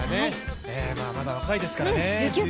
まだ若いですからね、１９歳。